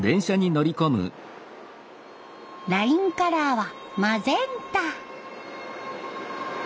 ラインカラーはマゼンタ。